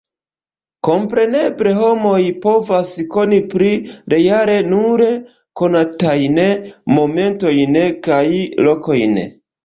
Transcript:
Kompreneble homoj povas koni pli reale nur konatajn momentojn kaj lokojn.